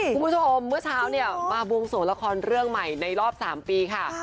คุณผู้ชมเมื่อเช้าเนี่ยมาบวงสวงละครเรื่องใหม่ในรอบ๓ปีค่ะ